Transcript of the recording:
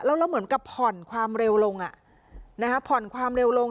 แล้วเหมือนกับผ่อนความเร็วลงผ่อนความเร็วลง